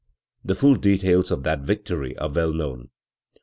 The full details of that victory are well known.